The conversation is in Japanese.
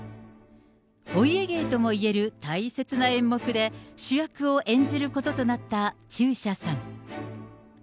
お家芸ともいえる大切な演目で、主役を演じることとなった中車さん。